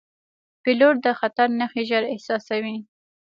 پیلوټ د خطر نښې ژر احساسوي.